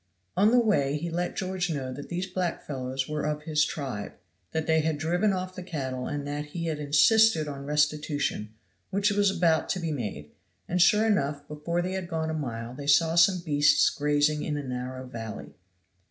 On the way he let George know that these black fellows were of his tribe, that they had driven off the cattle and that he had insisted on restitution which was about to be made; and sure enough, before they had gone a mile they saw some beasts grazing in a narrow valley.